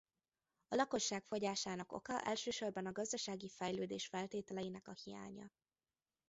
A lakosság fogyásának oka elsősorban a gazdasági fejlődés feltételeinek a hiánya.